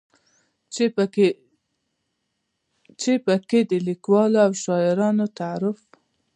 چې پکې د ليکوالو او شاعرانو تعارف